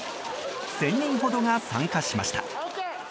１０００人ほどが参加しました。